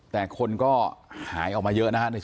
แต่คนก็หายออกมาเยอะนะฮะในช่วงนี้